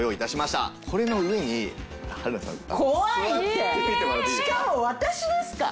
しかも私ですか？